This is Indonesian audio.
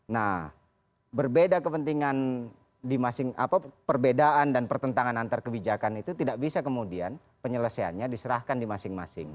nah berbeda kepentingan di masing perbedaan dan pertentangan antar kebijakan itu tidak bisa kemudian penyelesaiannya diserahkan di masing masing